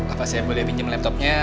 apa saya boleh pinjam laptopnya